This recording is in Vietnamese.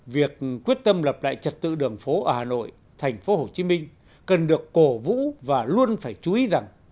việc quyết tâm lập lại trật tự đường phố ở hà nội thành phố hồ chí minh cần được cổ vũ và luôn phải chú ý rằng